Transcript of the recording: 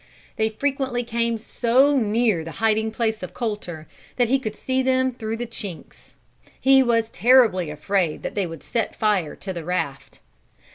They frequently came so near the hiding place of Colter that he could see them through the chinks. He was terribly afraid that they would set fire to the raft.